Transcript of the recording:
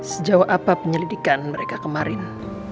sejauh apa penyelidikan mereka kemarin